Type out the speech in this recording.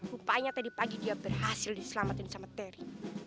rupanya tadi pagi dia berhasil diselamatin sama teri